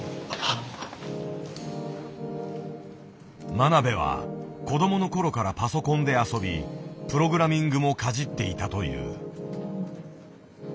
真鍋は子供の頃からパソコンで遊びプログラミングもかじっていたという。